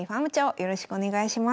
よろしくお願いします。